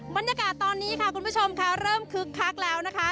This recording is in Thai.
บรรยากาศตอนนี้ค่ะคุณผู้ชมค่ะเริ่มคึกคักแล้วนะคะ